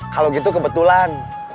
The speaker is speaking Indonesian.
kalau gitu kebetulan